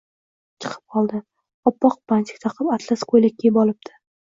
chiqib qoldi. Oppoq bantik taqib, atlas ko'ylak kiyib olibdi.